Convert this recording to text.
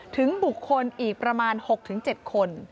ถึงบุคคลอีกประมาณ๖๗คน